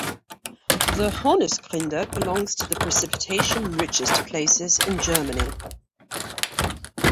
The Hornisgrinde belongs to the precipitation-richest places in Germany.